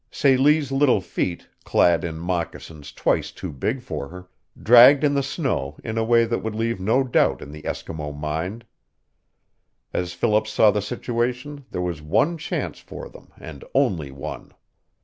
Celie's little feet, clad in moccasins twice too big for her, dragged in the snow in a way that would leave no doubt in the Eskimo mind. As Philip saw the situation there was one chance for them, and only one.